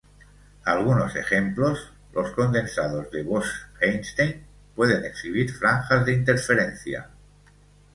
Algunos ejemplos: los condensados de Bose–Einstein pueden exhibir franjas de interferencia.